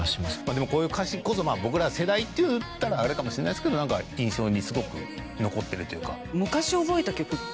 でもこういう歌詞こそ僕ら世代って言ったらあれかもしれないですけどなんか印象にすごく残ってるっていうか。